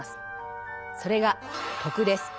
それが「徳」です。